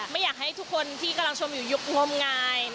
ไม่อยากให้ทุกคนที่กำลังชมอยู่ยุคงมงาย